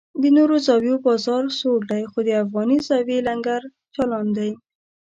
د نورو زاویو بازار سوړ دی خو د افغاني زاویې لنګر چالان دی.